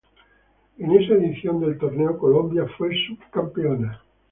En esa edición del torneo, Colombia fue subcampeón.